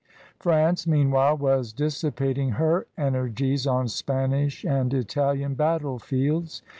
France, mean while, was dissipating her energies on Spanish and Italian battlefields.